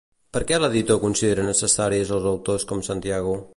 Per què l'editor considera necessaris els autors com Santiago?